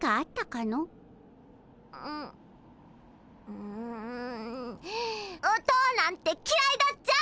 うおとおなんてきらいだっちゃ！